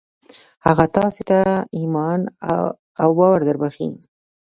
هغه تاسې ته ايمان او باور دربښي.